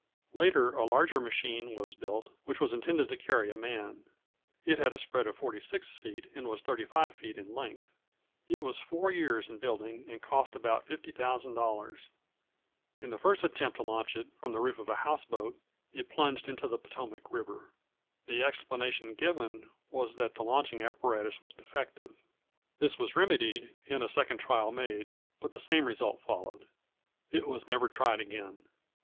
Later a larger machine was built, which was intended to carry a man. It had a spread of 46 feet, and was 35 feet in length. It was four years in building, and cost about $50,000. In the first attempt to launch it, from the roof of a house boat, it plunged into the Potomac River. The explanation given was that the launching apparatus was defective. This was remedied, and a second trial made, but the same result followed. It was never tried again.